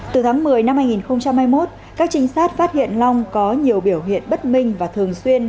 từ tháng một mươi năm hai nghìn hai mươi một các trinh sát phát hiện long có nhiều biểu hiện bất minh và thường xuyên